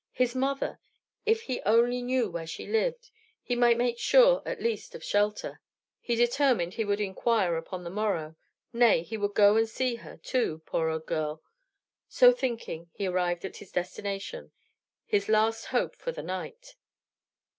His mother! If he only knew where she lived, he might make sure at least of shelter. He determined he would inquire upon the morrow: nay, he would go and see her, too, poor old girl! So thinking, he arrived at his destination his last hope for the night.